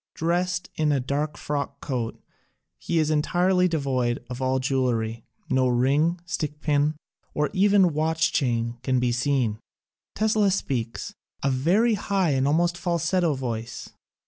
Drest in a dark frock coat, he is entirely devoid of all jewelry. No ring, stickpin, or even watch chain can be seen. Tesla speaks — a very high almost falsetto voice.